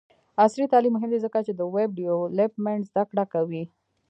عصري تعلیم مهم دی ځکه چې د ویب ډیولپمنټ زدکړه کوي.